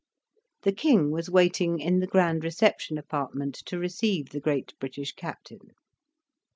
The King was waiting in the grand reception apartment to receive the great British captain.